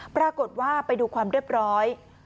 ปรากฏว่าไปดูความเรียบร้อย